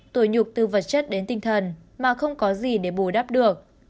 tuổi nhục từ vật chất đến tinh thần mà không có gì để bù đắp được